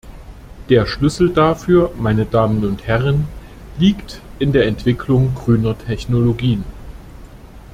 Der Schlüssel dafür, meine Damen und Herren, liegt in der Entwicklung grüner Technologien.